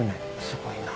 すごいな。